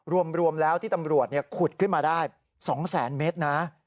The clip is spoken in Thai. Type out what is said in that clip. รวมแล้วที่ตำรวจเนี่ยขุดขึ้นมาได้๒๐๐๐๐๐เมตรนะ